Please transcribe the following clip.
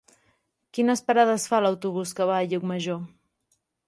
Quines parades fa l'autobús que va a Llucmajor?